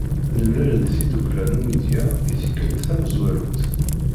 Nemlal-d tiddukkla Numidya i tikkelt tamezwarut.